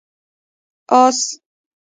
🐎 آس